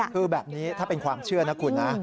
คือแบบนี้ถ้าเป็นความเชื่อนะคุณนะ